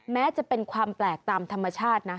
แม้จะเป็นความแปลกตามธรรมชาตินะ